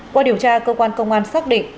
qua điều tra cơ quan công an xác định